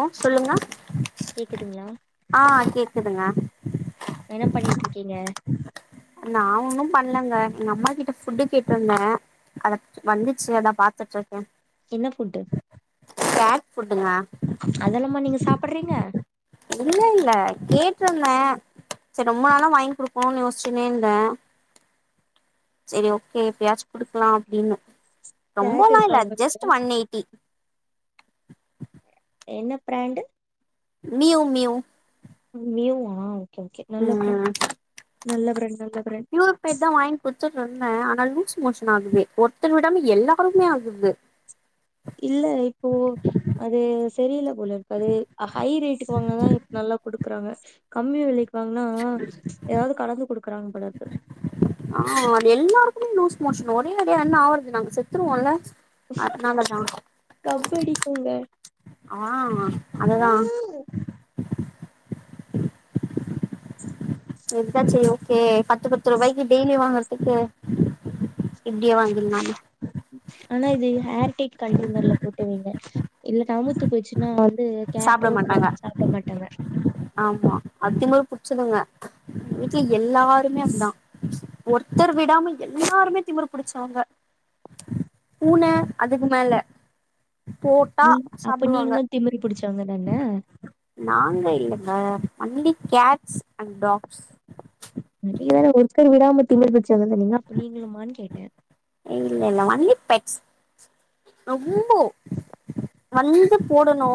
அ சொல்லுங்க கேக்குதுங்களா ஆ கேக்குதுங்க என்ன பண்ணிட்ருக்கீங்க நா ஒன்னு பண்லங்க எங்க அம்மா கிட்ட ஃபுட்டு கேட்டிருந்த அத வந்துச்சு அதா பாத்துட்டுருக்கே என்ன ஃபுட்டு ஃபேட் ஃபுட்டுங்க அதெல்லாமா நீங்க சாப்புறீங்க இல்ல இல்ல கேட்டிருந்த சரி ரொம்ப நாளா வாங்கி கொடுக்கணுனு யோசிச்சுனே இருந்த சரி ஓகே இப்பயாச்சி குடுக்கலா அப்டினு கேட் ரொம்பலா இருக்கா இல்ல உங்க வீட்ல ஜஸ்ட் ஒன் எயிட்டி என்ன பிராண்டு மியவ் மியவ் மியவ்வா ஓகே ஓகே நல்ல பிரெண்ட் ம் நல்ல பிரண்ட் நல்ல பிரண்ட் இன்னைக்கிதா வாங்கி குடுத்துட்டு இருந்த ஆனா லூஸ் மோஷன் ஆகுது ஒருத்தர் விடாம எல்லாருக்குமே ஆகுது இல்ல இப்போ அது சரியில்ல போலிருக்கு அது ஹைரேட்டுக்கு வாங்க்னாதா நல்லா குடுக் குறாங்க கம்மி வெலைக்கு வாங்னா எதாவ்து கலந்து குடுக்குறாங்க போலருக்கு ஆ அது எல்லாருக்குமே லூஸ் மோஷன் ஒரேடியா என்ன ஆவற்து நாங்க செத்துருவோல்ல. அத்னாலதா கப்படிக்குங்க ஆ அததா இதுதா செரி ஓகே பத்து பத்து ரூபாய்க்கு டெய்லி வாங்கற்துக்கு இப்டியே வாங்கிர்லாமே ஆனா இது ஹேர் டைட் கண்டைனர்ல போட்டு வைங்க இல்ல நமுத்து போய்ச்சுன்னா அவ்ள் இது சாப்ட கேட்டோட் மாட்டாங்க ஓட்ஸ் சாப்ட மாட்டாங்க ஆமா அத் திமிரு புட்ச்சதுங்க வீட்ல எல்லாருமே அப்டிதா ஒருத்தர் விடாம எல்லாருமே திமிரு புடிச்சவங்க. பூன அதுக்கு மேல போட்டா நீ அப்ப சாப்புடுவாங்க நீங்களு திமிரு புடிச்சவங்கதான நாங்க இல்லங்க ஒன்லி கேட்ஸ் அண் டாக்ஸ் நீங்கதான ஒருத்தர் விடாம திமிரு புச்சவங்கனு சொன்னீங்க அப்ப நீங்களுமான் கேட்டே இல்ல இல்ல ஒன்லீ பெட்ஸ் ரொம்போ வந்து போடணு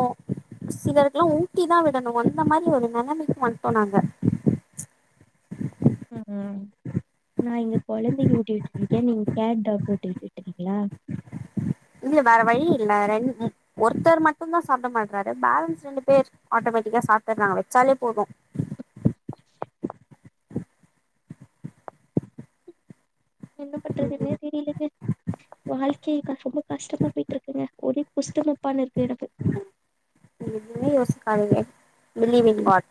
சிலருக்லா ஊட்டி தா விடணு அந்த மாரி ஒரு நெலமைக்கு வந்ட்டோ நாங்க ம் ம் [inaudible] நா இங்க கொழந்தைக்கு ஊட்டி விட்டுட்ருக்கே நீங் கேட் டாக்கு ஊட்டிவிட்டுருக்கிங்ளா இல்ல வேற வழி இல்ல ரெண் ஒருத்தர் மட்டுந்தா சாப்ட மாட்றாரு பேலன்ஸ் ரெண்டு பேர் ஆட்டோமேட்டிக்கா சாப்டுறாங்க வெச்சாலே போது என்ன பண்றதுனே ம் தெரிலெங்க வாழ்க்கை க ரொம்ப கஷ்டமா போயிட்டுருக்குங்க ஒரே குஸ்ட்டமப்பானிருக்கு எனக்கு நீங்க எதுவுமே யோசிக்காதிங்க பிலீவ் இன் காட்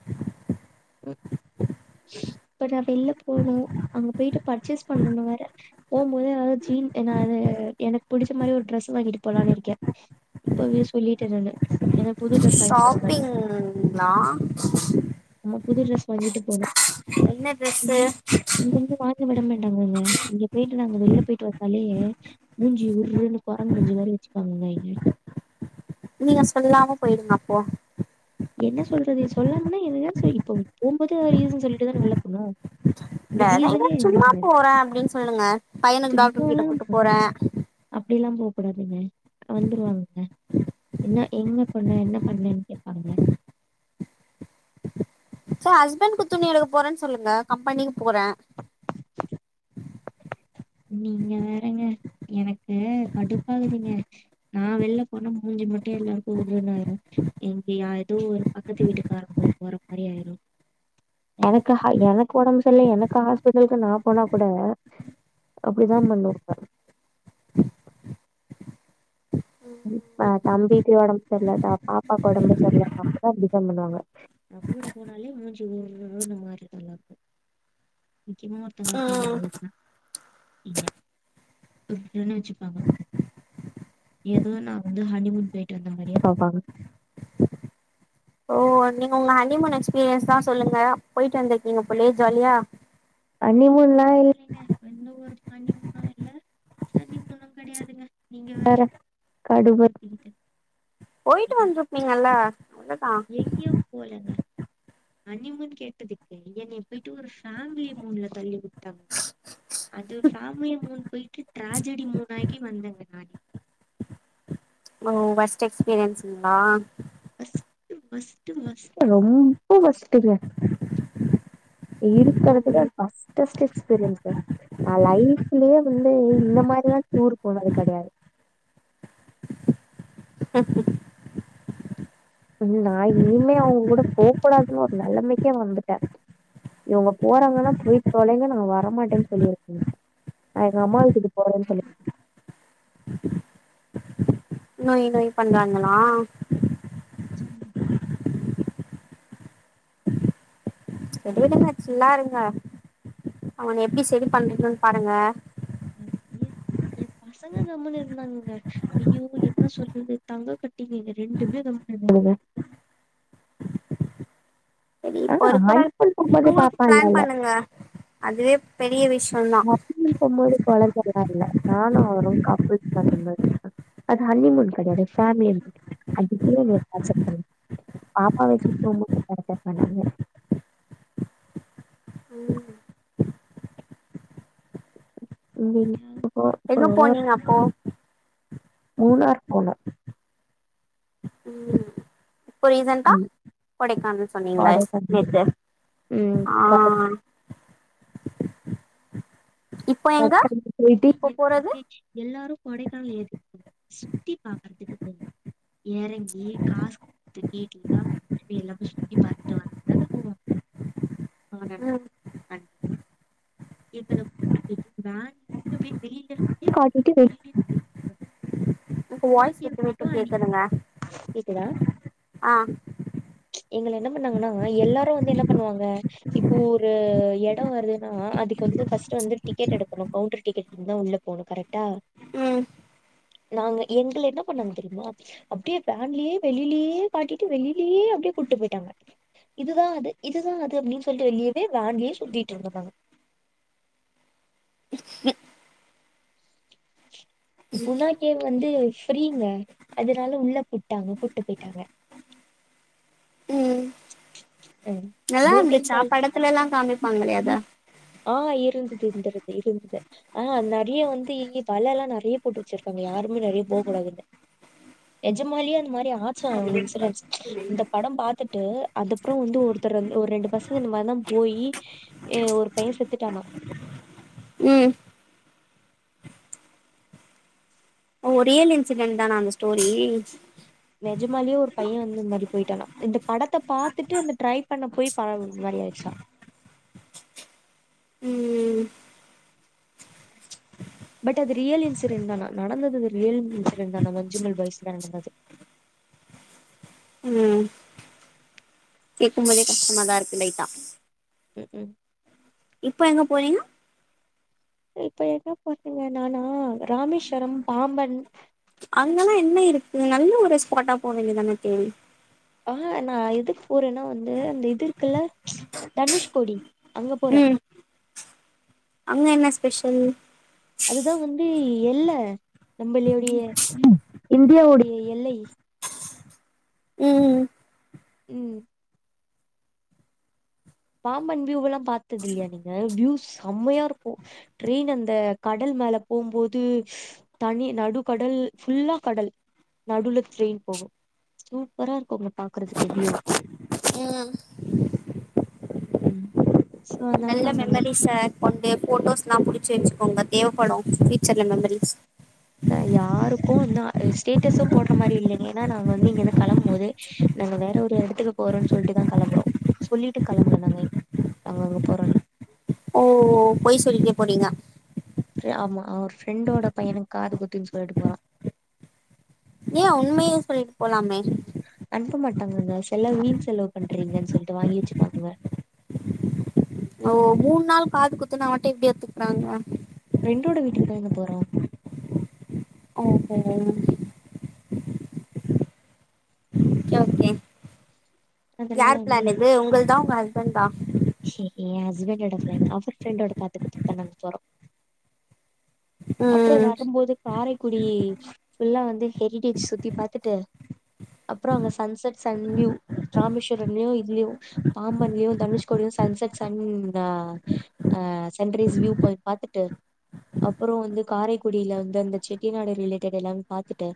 இப்ப நா வெள்ல போணு அங்க போயிட்டு பர்ச்சேஸ் பண்ணணு வேற போம்மோது எதாவ்து ஜீன் ஏனா அது எனக் புடிச்ச மாரி ஒரு ட்ரெஸ்ஸு வாங்கிட்டு போலான் இருக்கே இப்பவே சொல்லிட்டே நானு எனக் புது ட்ரெஸ் வாய்ங்குடுங்கனு ங்ளா ஆமா புது ட்ரெஸ் வாங்கிட்டு போணு என்ன ட்ரெஸ்ஸு இங்க வந்து வாங்க விட மாட்டாங்கங்க இங்க போயிட்டு நாங்க வெளில போய்ட்டு வந்தாலே மூஞ்சி உர்ருனு கொரங்கு மூஞ்சி மாரி வெச்சுப்பாங்கங்க இங்க நீங்க சொல்லாம போயிடுங்க அப்போ என்ன சொல்றது சொல்லாமனா எல்லா செ இப்ப போம்போது ரீசன் சொல்லிட்டுதான வெள்ல போணு வேற எதா சும்மா போறே அப்டின் சொல்லுங்க பையனுக்கு டாக்ட்ரு கிட்ட கூட்டு போறே அப்டில்லா போக்கூடாதுங்க வந்துருவாங்கங்க என்ன எங்க போன என்ன பண்ணேன் கேப்பாங்க சோ ஹஸ்பண்க்கு துணி எடுக்க போறேனு சொல்லுங்க கம்பெனிக்கு போற நீங்க வேறெங்க எனக்கு கடுப்பாகுதிங்க நா வெள்ல போனா மூஞ்சு மட்டு எல்லாருக்கு உர்ருனு ஆயிரு இங்கியா எதோ ஒரு பக்கத்து வீட்டுக்காரங்க கூட போற மாரி ஆயிரு எனக்கு ஹ எனக்கு ஒடம்பு செரில்ல எனக்கு ஹாஸ்பிட்டலுக்கு நா போனா கூட அப்டிதா பண்ணுவாங்க அ தம்பிக்கு ஒடம்பு சரிலா பாப்பாக்கு ஒடம்பு சரில அப்பதா அப்டிதா பண்ணுவாங்க நா கூட போனாலே மூஞ்சு உர்ண்ணு மாருதாலாக்கு முக்கியமா ஒருத்தங்க இருக்காங்க ம் அவங்க [unintelligible] இங்க உர்ருன்னு வச்சுப்பாங்க ஏதோ நா வந்து ஹனிமூன் போயிட்டு வந்த மாரியே பாபாங்க ஓ நீங்க உங்க ஹனிமூன் எக்ஸ்பீரியன்ஸ் தா சொல்லுங்க போயிட்டு வந்திருக்கீங்க போலயே ஜாலியா கனிமூன்ல இல்லைங்க எந்த ஒரு ஹனிமூணு இல்ல ஹனிமூன்னு கெடையாதுங்க நீங்க வேற கடுப்பேத்திக்கிட்டு போயிட்டு வந்திருப்பீங்கல்ல அதுதா எங்கயும் போலங்க ஹனிமூன் கேட்டதுக்கு என்ன போய்ட்டு ஒரு ஃபேமிலி மூன்ல தள்ளி விட்டாங்க அது பேமி மூன் போயிட்டு ட்ராஜடி மூன் ஆகி வந்தங்க நானு ஓ ஒர்ஸ்ட்டு எக்ஸ்பீரியன்ஸுங்களா ஒர்ஸ்ட்டு ஒர்ஸ்ட்டு ஒர்ஸ்ட்டு ரொம்ப ஒர்ஸ்ட்டுங்க இருக்கறதுலே ம் ஒர்ஸ்ட்டஸ்ட் எக்ஸ்பீரியன்ஸ்ங்க ந லைஃப்லயே வந்து இந்த மாரிலா டூர் போனது கெடையாது ஹ [inaudible] நா இனிமே அவங்க கூட போக கூடாதுன்னு ஒரு நெலமைக்கே வந்துட்டே இவங்க போறாங்கன்னா போய் தொலைங்க நாங்க வரமாட்டேன்னு சொல்லிருக்கணு எங்கம்மா வீட்டுக்கு போறன்னு சொல்லிருக்க நொய் நொய் பண்றாங்களா வச்சுருவோ சரி விடுங்க சில்லா இருங்க அவன எப்டி செரி பண்றன்னு பாருங்க எ பைய எ பசங்க கம்முன்ன இருந்தாங்கங்க ஐயோ என்ன சொல்றது தங்ககட்டிங்கங்க ரெண்டுமே கம்முனு இருக்கு சரி ஆ இப்போ இருக்கிற ஹனிமூன் போம்போது டூருக்கு பாப்பாலா ப்ளான் இல்ல பண்ணுங்க அதுவே பெரிய விஷயந்தா ஹனிமூன் போம்போது குழந்தையல்லா இல்ல நானு அவரு கப்புள்ஸ் [unintelligible] அது ஹனிமூன் கடையாது பேமலி மூன் அதுக்கே இவ்ளோ டார்ச்சர் பண் [inaudible] பாப்பா வச்சுட்டு [unintelligible] பண்ணாங்க ம் உங்க [unintelligible] எங்க போனீங்க அப்போ மூணார் போனோ ம் இப்ப ரீசன்டா ஆமா கொடைக்கானல் சொன்னீங்களே கொடைக்கானல் நேத்து ம் ஆ கொடை இப்போ [inaudible] எங்க இப்போ போறது எல்லாரு கொடைக்கானல் எதுக்கு போவோ எ சுத்தி பாக்குறதுக்கு போவோ எறங்கி காசு கேட் எல்லா எல்லாமே சுற்றி பாத்துட்டு வந்ததுதான போவோ ம் [unintelligible] [inaudible] கட்டிட்டு வெளிலே உங்க வாய்ஸ் கேவ் விட்டு வீட்டு மட்டு அன்னைக்கு கேக்குதுங்க கேக்குதா ஆ எங்கள என்ன பண்ணாங்கன்னா எல்லாரு வந்து என்ன பண்ணுவாங்க இப்போ ஒருஎட வருதுன்னா அதுக்கு வந்து ஃபஸ்ட்டு வந்து டிக்கெட் எடுக்கணு கவுண்டர் டிக்கெட் உள்ள போனு கரெட்டா ம் நாங்க எங்கள என்ன பன்னாங்க தெரியுமா அப்டியே வேன்லயே வெளிலயே காட்டிட்டு வெளிலயே அப்டியே கூட்டு போயிட்டாங்க இதுதா அது இதுதா அது அப்டின் சொல்லிட்டு வெளியவே வேன்லயே சுத்திட்டு இருந்துருகாங்க குணா கேவ் வந்து ஃப்ரீங்க அதனால உள்ள கூப்ட்டாங்க கூப்ட்டு போய்ட்டாங்க ம் உம் நல்லா இருந்துச்சா படத்துலல்லா காமிப்பாங்கலே அதா ஆ இருந்துது இருந்து இருந்துது ஆ நெறய வந்துஇங்கி வலல்லாம் நெறய போட்டு வச்சிருக்காங்க யாருமே நெறய போக்கூடாதுன்னு நெஜமாலியே அந்த மாரி ஆச்சா இன்சூரன்ஸ் இந்த படம் பாத்துட் அதுப்பறம் வந்து ஒருத்தர் ஒரு ரெண்டு பசங்க இந்த மாதிரிதா போயி ஏ ஒரு பையன் செத்துட்டானா ம் ஓ ரியல் இன்சிடென்ட் தானா அந்த ஸ்டோரி நெஜமாலியே ஒரு பையன் வந்து இந்த மாரி போய்ட்டானா இந்த படத்தை பாத்துட்டு அந்த ட்ரை பண்ண போய் பாவம் இந்த மாரி ஆய்டுச்சா ம் பட் அது ரியல் இன்சிடென்ட் தானா நடந்தது அது ரியல் இன்சிடென்ட் தானா மஞ்சமல் பாய்ஸ்ல நடந்தது ம் கேக்கு போதே கஷ்டமாதா இருக்கு லைட்டா ம்க்கு இப்ப எங்க போறீங்க இப்ப என்ன பண்ணுவே நானு ராமேஸ்வரம் பாம்பன் அங்கல்ல என்ன இருக்கு நல்ல ஒரு ஸ்பாட்டா போக வேண்டியதான தோழி ஆ நான் எதுக்கு போறன்னா வந்து அந்த இது இருக்குல்ல தனுஷ்கோடி அங்க போற ம் அங்க என்ன ஸ்பெஷல் அதுதா வந்து எல்ல நம்பளுடைய இந்தியாவுடைய எல்லை ம் ம் பாம்பன் வியூவல்லா பாத்தது இல்லயா நீங்க வியூ செம்மையாருக்கு டிரெயின் அந்த கடல் மேல போம்போது தனி நடு கடல் ஃபுல்லா கடல் நடுவ்ல டிரெயின் போகு சூப்பரா இருக்கு பாக்கறதுக்கு வியூ ம் ம் சோ அதனால நல்ல நாங்க மெமரிஸ்ஸ கொண்டு போட்டோஸ்ல்லா புடிச்சு வச்சுக்கோங்க தேவைப்படு ஃபியூச்சர்ல மெமரிஸ் நா யாருக்கு வந்து ஸ்டேட்டஸு போடுற மாரி இல்லைங்க ஏன்னா நா வந்து இங்கிருந்து கெளம்பு போது நாங்க வேற ஒரு எடத்துக்கு போறோன் சொல்ட்டுதா கெளம்புறோ சொல்லிட்டு கிளம்பல நாங்க நாங்க அங்க போறோன்னு ஓ பொய் சொல்லிட்டே போறீங்க க்கு ஆமா அவர் ஃப்ரெண்டோட பையனுக்கு காது குத்துன் சொல்ட்டு போறோ ஏ உண்மயே சொல்லிட்டு போலாமே அனுப்ப மாட்டாங்கங்க செலவு வீண் செலவு பண்றீங்கன் சொல்லிட்டு வாங்கி வச்சுப்பாங்கங்க ஓ மூணு நாள் காது குத்துன்னா மட்டு எப்டி ஒத்துக்குறாங்க ஃபிரெண்டோட வீட்டுக்குதான போறோ [unintelligible] ஓகே அதனால யார் வந்து பிளான் இது உங்கள் தா இல்ல உங்க ஹஸ்பண்ட் தா என் ஹஸ்பண்டோட ஃபிரண்ட் அவர் ஃபரெண்டோட காது குத்துக்குதா நாங்க போறோ அப்ற ம் வரும் போது காரைக்குடி ஃபுல்லா வந்து ஹெரிடேஜ் சுத்தி பாத்துட்டு அப்றோ அங்க சன்செட் சன் வீயு ராமேஸ்வரன்லியு இத்லியு பாம்பன்லயு தனுஷ் கூடயு சன்செட் சன் ஆ ஆ சன்ரைஸ் வியூ போய் பாத்துட்டு அப்றோ வந்து காரைக்குடியில வந்து அந்த செட்டிநாடு ரிலேட்டட் எல்லாமே பாத்துட்டு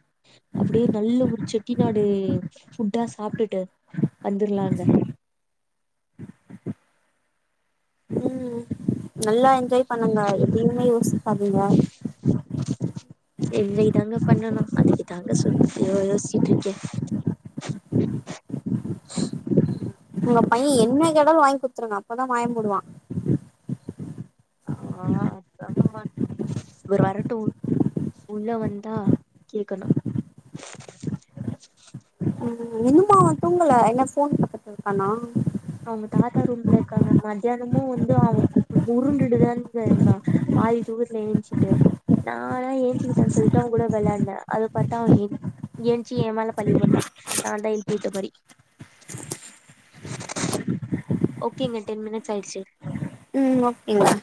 அப்டியே நல்ல ஒரு செட்டி நாடு ஃபுட்டா சாப்டுட்டு வந்துரலாங்க ம் நல்லா என்ஜாய் பண்ணுங்க எதையுமே யோசிக்காதீங்க எஞ்சாய் தாங்க பண்ணணு அதுக்கு தாங்க சுட் யோசிச்சிட்டு இருக்கே உங்க பைய என்ன கேட்டாலு வாங்கி குடுத்துருங்க அப்பதா வாய முடுவா ஆ அதாங்க அவ இவரு வரட்டு உள்ள வந்தா கேக்கணு ம் இன்னுமா அவ தூங்கல என்ன ஃபோன் பாத்துட்டு இருக்கானா அவுங்க தாத்தா ரூம்ல இருக்காங்க மத்தியானமு வந்து அவ உருண்டுட்டுதானுங்க இருந்தா பாதி தூக்கத்துல எழுசிட்டு நானு ஏஞ்சிக்கிட்டா சொல்லிட்ட அவ கூட வெளையாட்ன அது பாத்தா அவ ஏன் ஏஞ்சி ஏமேல பழியப்போட்டா நா தா எழுப்பி விட்ட மாரி ஓகேங்க டென் மினிட்ஸ் ஆயிட்சி ம் ஓகேங்க